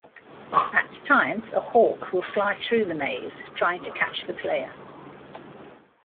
At times, a hawk will fly through the maze, trying to catch the player.